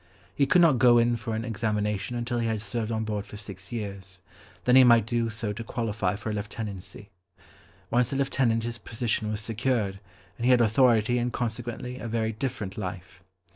He could not go in for an examination until he had served on board for six years, then he might do so to qualify for a lieutenancy. Once a lieutenant his position was secured, and he had authority and consequently a very different life.